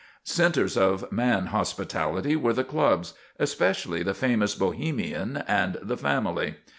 Centres of man hospitality were the clubs, especially the famous Bohemian and the Family.